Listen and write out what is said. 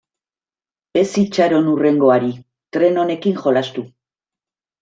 Ez itxaron hurrengoari, tren honekin jolastu.